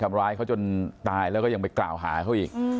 ทำร้ายเขาจนตายแล้วก็ยังไปกล่าวหาเขาอีก